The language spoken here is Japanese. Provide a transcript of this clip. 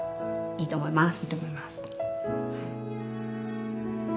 いいと思います。